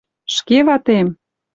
Шке ватем!